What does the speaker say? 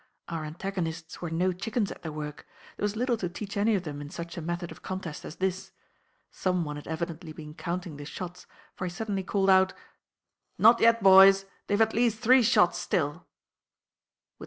Our antagonists were no chickens at their work; there was little to teach any of them in such a method of contest as this. Some one had evidently been counting the shots, for he suddenly called out: "Not yet boys! They've at least three shots still!"